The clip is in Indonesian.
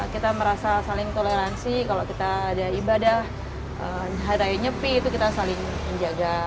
kita merasa saling toleransi kalau kita ada ibadah hari raya nyepi itu kita saling menjaga